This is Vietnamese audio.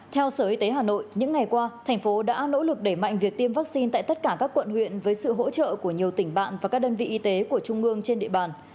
theo sở y tế hà nội những ngày qua thành phố đã nỗ lực đẩy mạnh việc tiêm vaccine tại tất cả các quận huyện với sự hỗ trợ của nhiều tỉnh bạn và các đơn vị y tế của trung ương trên địa bàn